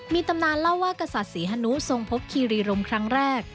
มีตำนานเล่าว่ากษัตริย์ศรีฮนุทรงพบคีรีรมครั้งแรก